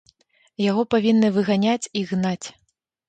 Яго павінны выганяць і гнаць.